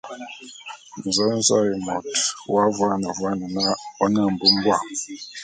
Nzōzôé môt ô vuane vuane na ô ne mbubua.